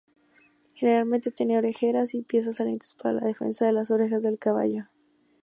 Generalmente tenía orejeras o piezas salientes para la defensa de las orejas del caballo.